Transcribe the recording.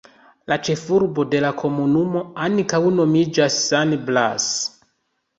La ĉefurbo de la komunumo ankaŭ nomiĝas San Blas.